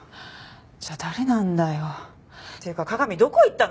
じゃあ誰なんだよ。っていうか加賀美どこ行ったの？